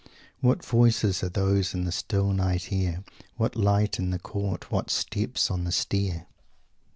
"What voices are those in the still night air? What lights in the court? What steps on the stair?"